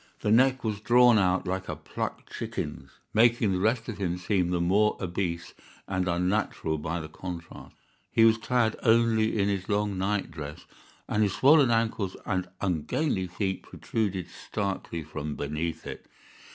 The neck was drawn out like a plucked chicken's, making the rest of him seem the more obese and unnatural by the contrast. He was clad only in his long night dress, and his swollen ankles and ungainly feet protruded starkly from beneath it.